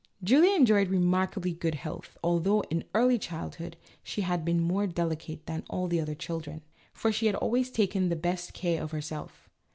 Julia enjoyed remarkably good health, although in early childhood she had been more delicate than all the other children, for she had always taken the best care of herself.